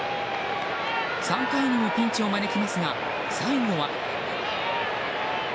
３回にもピンチを招きますが最後は。